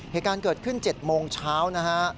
เหตุการณ์เกิดขึ้น๗โมงเช้านะฮะ